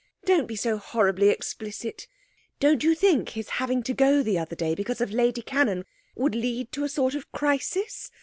'Don't be so horribly explicit. Don't you think his having to go the other day because of Lady Cannon would lead to a sort of crisis?